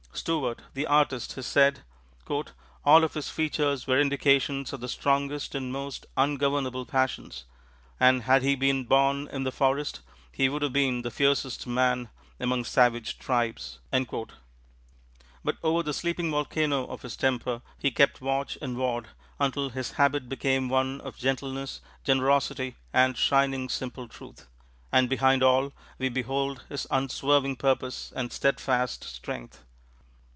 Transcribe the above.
Stewart, the artist, has said, "All of his features were indications of the strongest and most ungovernable passions, and had he been born in the forest, he would have been the fiercest man among savage tribes." But over the sleeping volcano of his temper he kept watch and ward, until his habit became one of gentleness, generosity, and shining, simple truth; and, behind all, we behold his unswerving purpose and steadfast strength.